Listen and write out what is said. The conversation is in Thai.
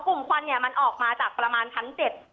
กลุ่มควันเนี่ยมันออกมาจากประมาณชั้น๗ถึงชั้น๘ค่ะ